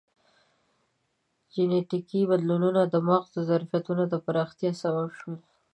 جینټیکي بدلونونه د مغزو د ظرفیتونو د پراختیا سبب شول.